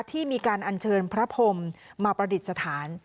ที่มีการอัญเชิญพระพรมมาประดิษฐาน